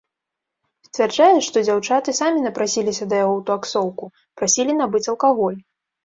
Сцвярджае, што дзяўчаты самі напрасіліся да яго ў таксоўку, прасілі набыць алкаголь.